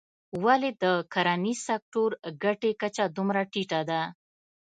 ولې د کرنیز سکتور ګټې کچه دومره ټیټه ده.